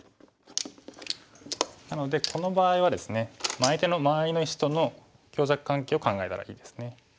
なのでこの場合はですね相手の周りの石との強弱関係を考えたらいいですね。